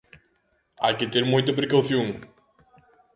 Hai que ter moita precaución.